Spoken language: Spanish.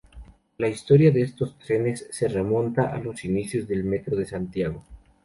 La historia de estos trenes se remonta a los inicios del Metro de Santiago.